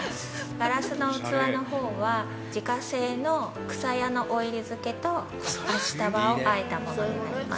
ガラスの器のほうは自家製のくさやのオイル漬けと明日葉をあえたものになります。